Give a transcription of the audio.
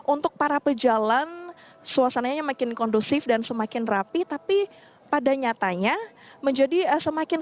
untuk para pejalan suasananya makin kondusif dan semakin rapi tapi pada nyatanya menjadi semakin